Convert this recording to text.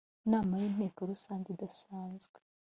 nama y inteko rusange idasanzwe